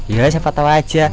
ya siapa tau aja